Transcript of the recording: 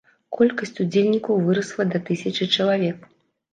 Колькасць удзельнікаў вырасла да тысячы чалавек.